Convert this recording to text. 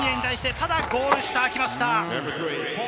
ただゴール下、来ました。